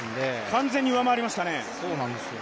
完全に上回りましたね。